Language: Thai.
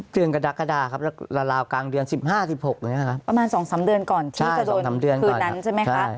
เดือนกระดาษครับราวกลางเดือน๑๕๑๖ประมาณ๒๓เดือนก่อนที่จะโดนคืนนั้นใช่ไหมคะ